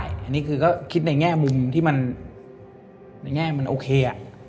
อันนี้คือก็คิดในแง่มุมที่มันในแง่มันโอเค